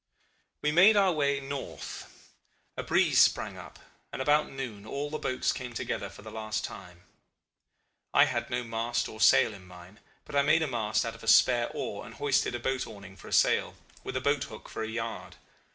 "We made our way north. A breeze sprang up, and about noon all the boats came together for the last time. I had no mast or sail in mine, but I made a mast out of a spare oar and hoisted a boat awning for a sail, with a boat hook for a yard.